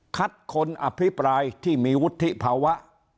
คนอภิปรายที่มีวุฒิภาวะ